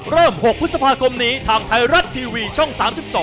๖พฤษภาคมนี้ทางไทยรัฐทีวีช่อง๓๒